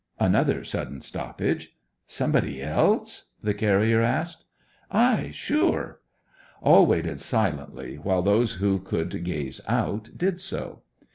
Another sudden stoppage. 'Somebody else?' the carrier asked. 'Ay, sure!' All waited silently, while those who could gaze out did so.